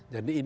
jadi ini akan